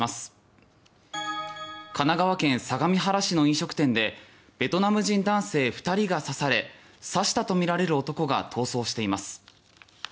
神奈川県相模原市の飲食店でベトナム人男性２人が刺され刺したとみられる男が逃走しています。